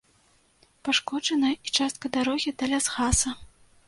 Пашкоджаная і частка дарогі да лясгаса.